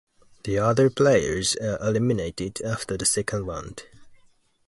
The other players are eliminated after the second round.